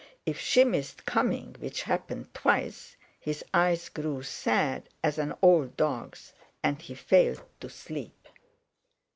If she missed coming, which happened twice, his eyes grew sad as an old dog's, and he failed to sleep.